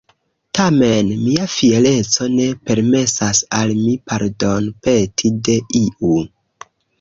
Tamen mia fiereco ne permesas al mi pardonpeti de iu.